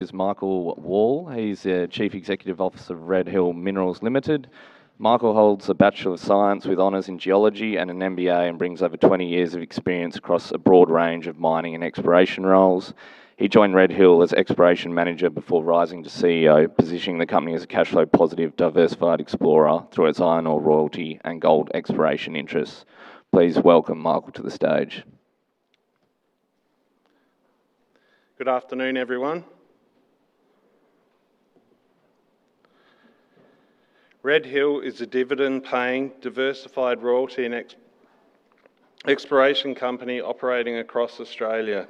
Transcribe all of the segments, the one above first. Is Michael Wall. He is the Chief Executive Officer of Red Hill Minerals Limited. Michael holds a Bachelor of Science with honors in geology and an MBA and brings over 20 years of experience across a broad range of mining and exploration roles. He joined Red Hill as exploration manager before rising to CEO, positioning the company as a cash flow positive, diversified explorer through its iron ore royalty and gold exploration interests. Please welcome Michael to the stage. Good afternoon, everyone. Red Hill is a dividend-paying, diversified royalty and exploration company operating across Australia.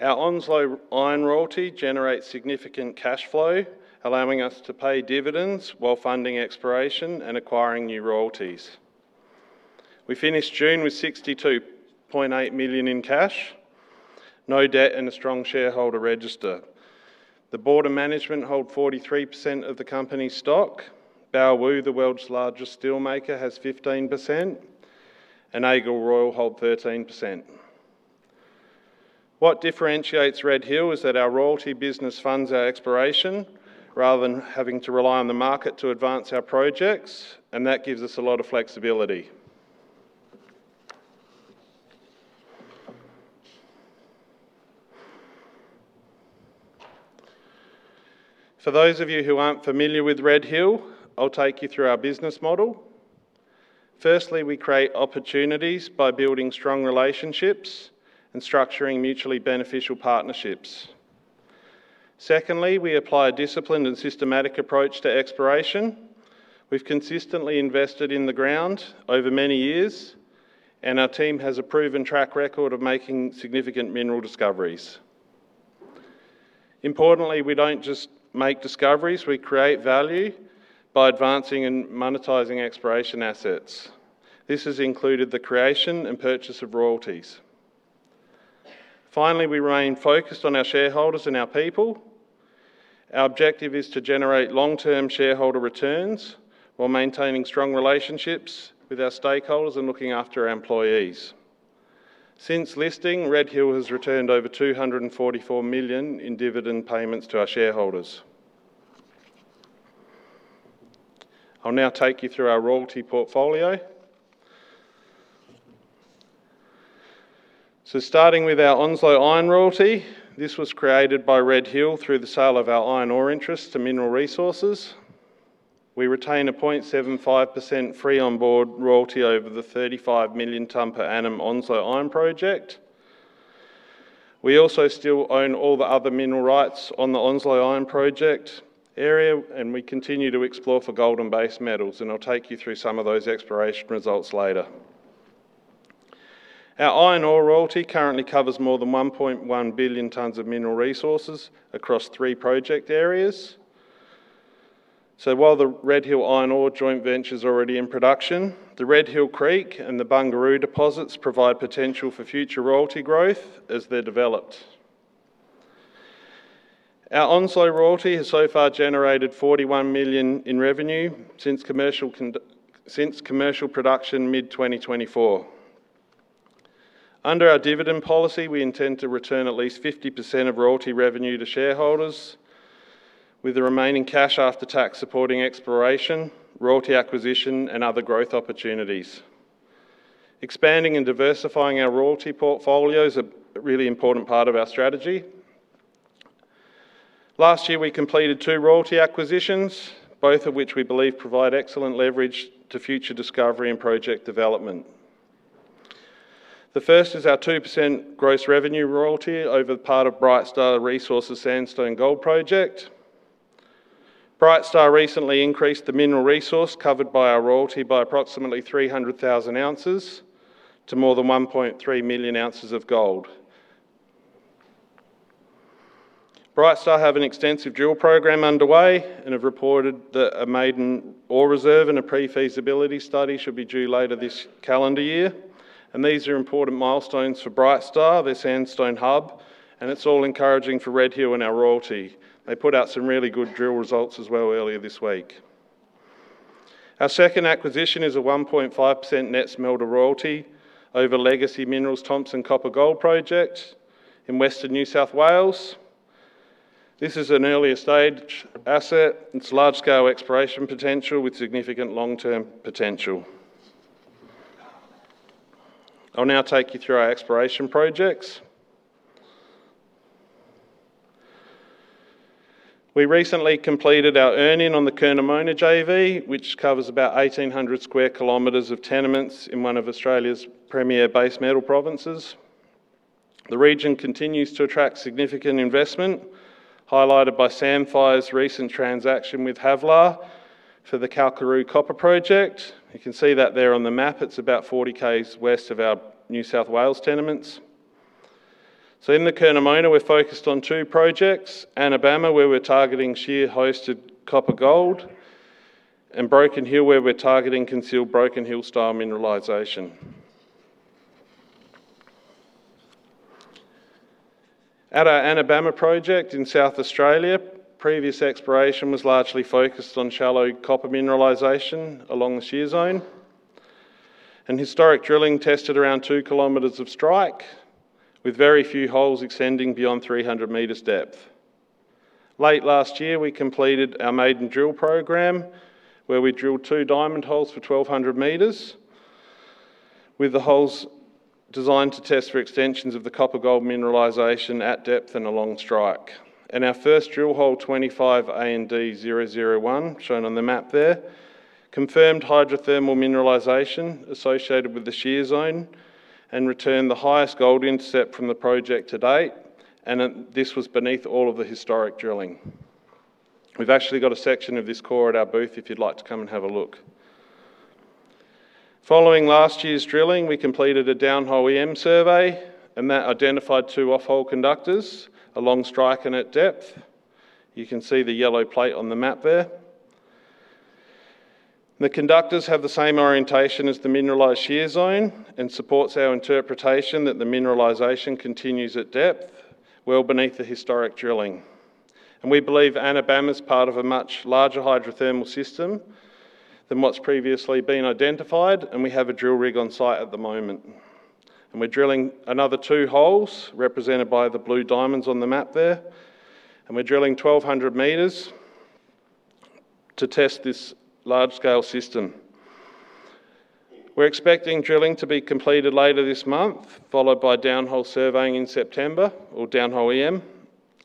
Our Onslow Iron royalty generates significant cash flow, allowing us to pay dividends while funding exploration and acquiring new royalties. We finished June with 62.8 million in cash, no debt, and a strong shareholder register. The board and management hold 43% of the company's stock. Baowu, the world's largest steelmaker, has 15%, and Eagle Royal hold 13%. What differentiates Red Hill is that our royalty business funds our exploration rather than having to rely on the market to advance our projects, that gives us a lot of flexibility. For those of you who aren't familiar with Red Hill, I'll take you through our business model. Firstly, we create opportunities by building strong relationships and structuring mutually beneficial partnerships. Secondly, we apply a disciplined and systematic approach to exploration. We've consistently invested in the ground over many years, our team has a proven track record of making significant mineral discoveries. Importantly, we don't just make discoveries. We create value by advancing and monetizing exploration assets. This has included the creation and purchase of royalties. Finally, we remain focused on our shareholders and our people. Our objective is to generate long-term shareholder returns while maintaining strong relationships with our stakeholders and looking after our employees. Since listing, Red Hill has returned over 244 million in dividend payments to our shareholders. I'll now take you through our royalty portfolio. Starting with our Onslow Iron royalty, this was created by Red Hill through the sale of our iron ore interest to Mineral Resources. We retain a 0.75% free onboard royalty over the 35 million ton per annum Onslow Iron project. We also still own all the other mineral rights on the Onslow Iron Project area, we continue to explore for gold and base metals, I'll take you through some of those exploration results later. Our iron ore royalty currently covers more than 1.1 billion tons of mineral resources across three project areas. While the Red Hill Iron Ore Joint Venture is already in production, the Red Hill Creek and the Bungaroo deposits provide potential for future royalty growth as they're developed. Our Onslow royalty has so far generated 41 million in revenue since commercial production mid-2024. Under our dividend policy, we intend to return at least 50% of royalty revenue to shareholders with the remaining cash after tax supporting exploration, royalty acquisition, and other growth opportunities. Expanding and diversifying our royalty portfolio is a really important part of our strategy. Last year, we completed two royalty acquisitions, both of which we believe provide excellent leverage to future discovery and project development. The first is our 2% gross revenue royalty over part of Brightstar Resources Sandstone Gold Project. Brightstar recently increased the mineral resource covered by our royalty by approximately 300,000 ounces to more than 1.3 million ounces of gold. Brightstar have an extensive drill program underway and have reported that a maiden ore reserve and a pre-feasibility study should be due later this calendar year. These are important milestones for Brightstar, their Sandstone Hub, and it's all encouraging for Red Hill and our royalty. They put out some really good drill results as well earlier this week. Our second acquisition is a 1.5% net smelter royalty over Legacy Minerals Thomson Copper-Gold Project in Western New South Wales. This is an earlier stage asset. It's large-scale exploration potential with significant long-term potential. I'll now take you through our exploration projects. We recently completed our earn-in on the Curnamona JV, which covers about 1,800 sq km of tenements in one of Australia's premier base metal provinces. The region continues to attract significant investment, highlighted by Sandfire's recent transaction with Havilah for the Kalkaroo Copper-Gold Project. You can see that there on the map. It's about 40 km west of our New South Wales tenements. In the Curnamona, we're focused on two projects, Anabama, where we're targeting shear-hosted copper gold, and Broken Hill, where we're targeting concealed Broken Hill-style mineralization. At our Anabama project in South Australia, previous exploration was largely focused on shallow copper mineralization along the shear zone. Historic drilling tested around 2 km of strike, with very few holes extending beyond 300 m depth. Late last year, we completed our maiden drill program, where we drilled two diamond holes for 1,200 m, with the holes designed to test for extensions of the copper gold mineralization at depth and along strike. Our first drill hole, 25ANDD001, shown on the map there, confirmed hydrothermal mineralization associated with the shear zone and returned the highest gold intercept from the project to date. This was beneath all of the historic drilling. We've actually got a section of this core at our booth if you'd like to come and have a look. Following last year's drilling, we completed a down-hole EM survey, and that identified two off-hole conductors along strike and at depth. You can see the yellow plate on the map there. The conductors have the same orientation as the mineralized shear zone and supports our interpretation that the mineralization continues at depth, well beneath the historic drilling. We believe Anabama is part of a much larger hydrothermal system than what's previously been identified, and we have a drill rig on site at the moment. We're drilling another two holes, represented by the blue diamonds on the map there. We're drilling 1,200 m to test this large-scale system. We're expecting drilling to be completed later this month, followed by down-hole surveying in September, or down-hole EM,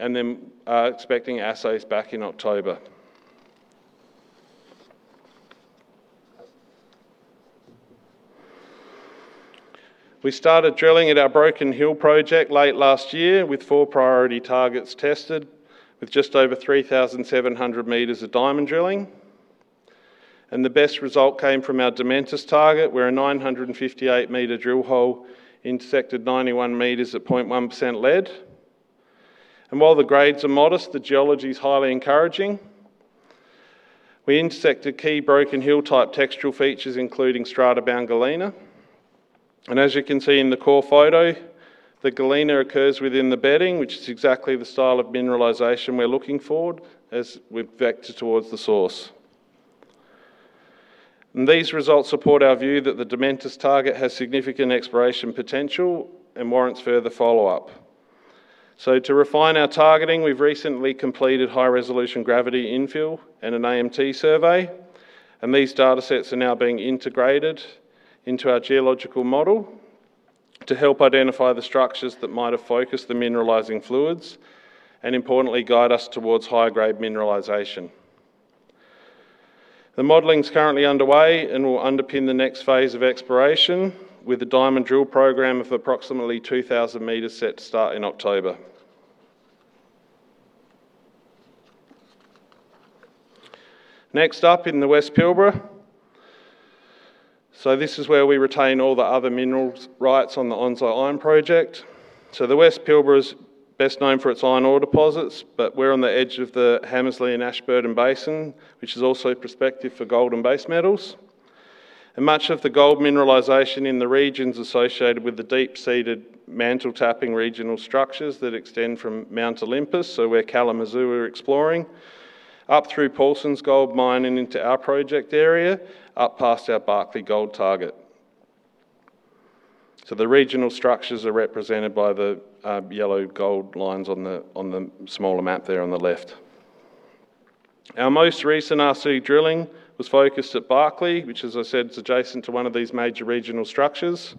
and then are expecting assays back in October. We started drilling at our Broken Hill project late last year with four priority targets tested with just over 3,700 m of diamond drilling. The best result came from our Dementus target, where a 958 m drill hole intersected 91 m at 0.1% lead. While the grades are modest, the geology is highly encouraging. We intersected key Broken Hill-type textural features, including strata-bound galena. As you can see in the core photo, the galena occurs within the bedding, which is exactly the style of mineralization we are looking for as we vector towards the source. These results support our view that the Dementus target has significant exploration potential and warrants further follow-up. To refine our targeting, we have recently completed high-resolution gravity infill and an AMT survey, and these datasets are now being integrated into our geological model to help identify the structures that might have focused the mineralizing fluids, and importantly, guide us towards higher-grade mineralization. The modeling is currently underway and will underpin the next phase of exploration with a diamond drill program of approximately 2,000 m set to start in October. Next up in the West Pilbara. This is where we retain all the other minerals rights on the Onslow Iron Project. The West Pilbara is best known for its iron ore deposits, but we are on the edge of the Hamersley and Ashburton Basin, which is also prospective for gold and base metals. Much of the gold mineralization in the region is associated with the deep-seated mantle-tapping regional structures that extend from Mount Olympus, where Kalamazoo were exploring, up through Paulsen's Gold Mine and into our project area, up past our Barkley gold target. The regional structures are represented by the yellow gold lines on the smaller map there on the left. Our most recent RC drilling was focused at Barkley, which as I said, is adjacent to one of these major regional structures.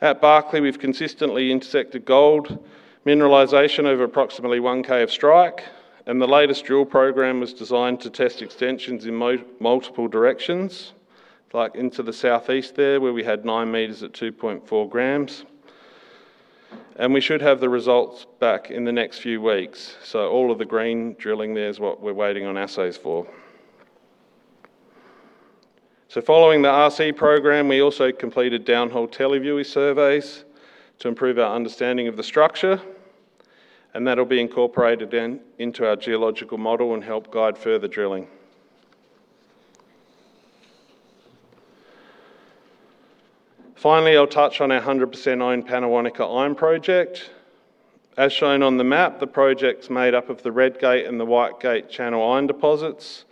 At Barkley, we have consistently intersected gold mineralization over approximately 1 km of strike, and the latest drill program was designed to test extensions in multiple directions, like into the southeast there, where we had 9 m at 2.4 g. We should have the results back in the next few weeks. All of the green drilling there is what we are waiting on assays for. Following the RC program, we also completed down-hole televiewer surveys to improve our understanding of the structure, and that will be incorporated into our geological model and help guide further drilling. Finally, I will touch on our 100% owned Pannawonica Iron Project. As shown on the map, the project is made up of the Red Gate and the White Gate channel iron deposits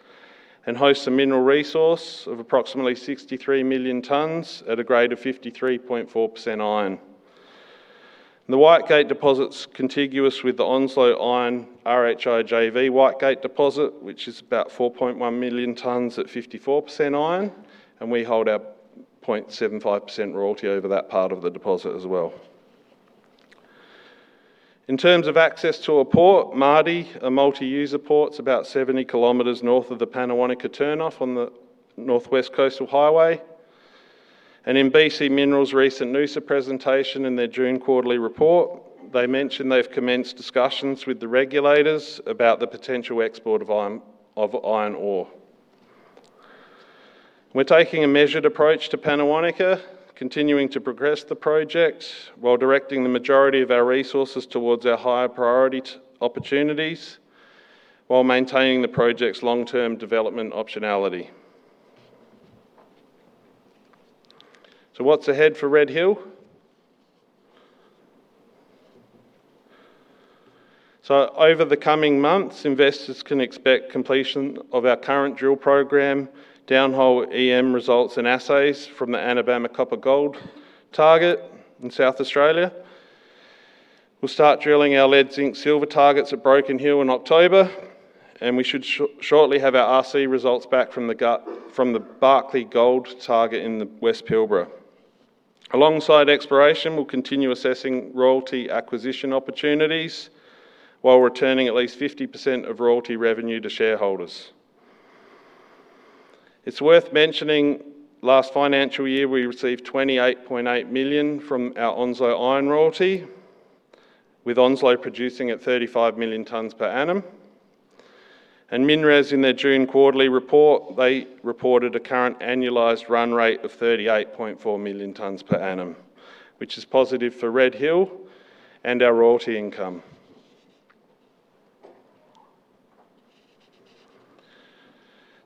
and hosts a mineral resource of approximately 63 million tons at a grade of 53.4% iron. The White Gate deposit is contiguous with the Onslow Iron RHIOJV White Gate deposit, which is about 4.1 million tons at 54% iron, and we hold our 0.75% royalty over that part of the deposit as well. In terms of access to a port, Mardie, a multi-user port, it is about 70 km North of the Pannawonica turnoff on the North West Coastal Highway. In BCI Minerals' recent Noosa presentation and their June quarterly report, they mentioned they have commenced discussions with the regulators about the potential export of iron ore. We are taking a measured approach to Pannawonica, continuing to progress the project while directing the majority of our resources towards our higher priority opportunities, while maintaining the project's long-term development optionality. What is ahead for Red Hill? Over the coming months, investors can expect completion of our current drill program, down-hole EM results and assays from the Anabama copper gold target in South Australia. We will start drilling our lead zinc silver targets at Broken Hill in October, and we should shortly have our RC results back from the Barkley gold target in the West Pilbara. Alongside exploration, we will continue assessing royalty acquisition opportunities while returning at least 50% of royalty revenue to shareholders. It is worth mentioning last financial year, we received 28.8 million from our Onslow Iron royalty, with Onslow producing at 35 million tons per annum. MinRes in their June quarterly report, they reported a current annualized run rate of 38.4 million tons per annum, which is positive for Red Hill and our royalty income.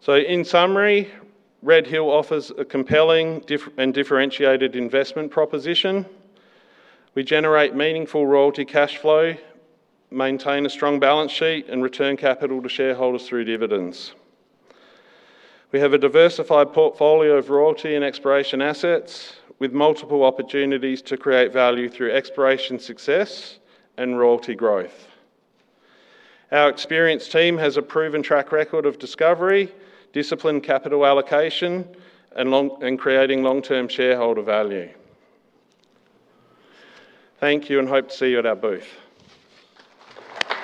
In summary, Red Hill offers a compelling and differentiated investment proposition. We generate meaningful royalty cash flow, maintain a strong balance sheet, and return capital to shareholders through dividends. We have a diversified portfolio of royalty and exploration assets with multiple opportunities to create value through exploration success and royalty growth. Our experienced team has a proven track record of discovery, disciplined capital allocation, and creating long-term shareholder value. Thank you and hope to see you at our booth.